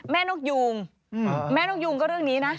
นกยูงแม่นกยูงก็เรื่องนี้นะ